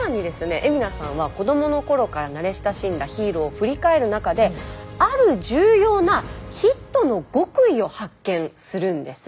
海老名さんは子どもの頃から慣れ親しんだヒーローを振り返る中である重要なヒットの極意を発見するんです。